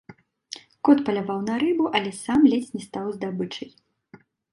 Кот паляваў на рыбу, але сам ледзь не стаў здабычай.